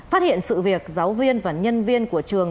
phát hiện sự việc giáo viên và nhân viên của trường